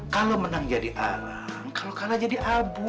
kalau menang jadi alang kalau kalah jadi abu